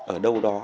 ở đâu đó